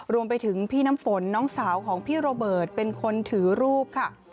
รวมไปถึงพี่น้ำฝนน้องสาวของพี่โรเบิร์ตเป็นคนถือรูปค่ะ